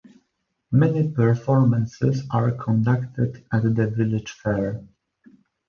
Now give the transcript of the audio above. Many performances are conducted at the village fair.